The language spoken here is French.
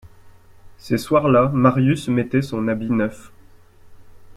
Ces soirs-là Marius mettait son habit neuf.